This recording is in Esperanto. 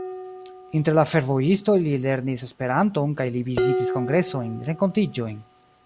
Inter la fervojistoj li lernis Esperanton kaj li vizitis kongresojn, renkontiĝojn.